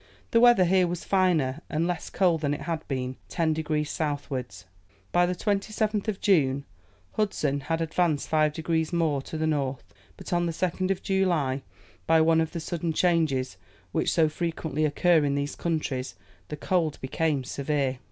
The weather here was finer and less cold than it had been ten degrees southwards. By the 27th of June, Hudson had advanced 5 degrees more to the north, but on the 2nd of July, by one of the sudden changes which so frequently occur in those countries, the cold became severe.